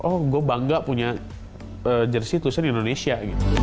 oh gue bangga punya jersi tulusan indonesia